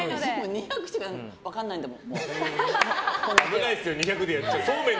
２００しか分からないんだもん。